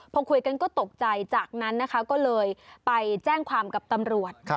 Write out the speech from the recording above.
พอคุยกันก็ตกใจจากนั้นนะคะก็เลยไปแจ้งความกับตำรวจ